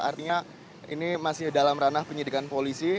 artinya ini masih dalam ranah penyidikan polisi